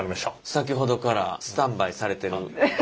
先ほどからスタンバイされてる。